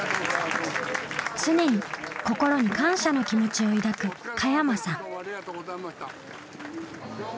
常に心に感謝の気持ちを抱く加山さん。